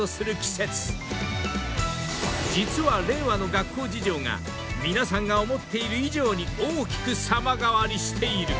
［実は令和の学校事情が皆さんが思っている以上に大きく様変わりしている］